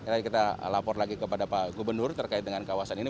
tadi kita lapor lagi kepada pak gubernur terkait dengan kawasan ini